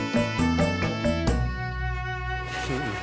pak makasih ya